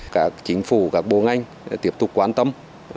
các chính phủ các bộ ngành tiếp tục quan tâm